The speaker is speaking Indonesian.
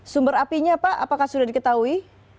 sumber apinya pak apakah sudah diketahui